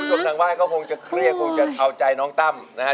ชมทางบ้านก็คงจะเครียดคงจะเอาใจน้องตั้มนะฮะ